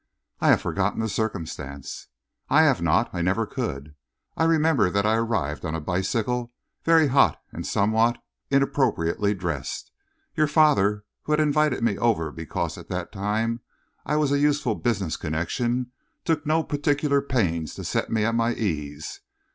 "I have forgotten the circumstance." "I have not. I never could. I remember that I arrived on a bicycle, very hot and somewhat er inappropriately dressed. Your father, who had invited me over because at that time I was a useful business connection, took no particular pains to set me at my ease.